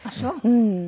うん。